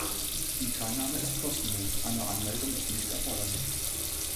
Die Teilnahme ist kostenlos, eine Anmeldung ist nicht erforderlich.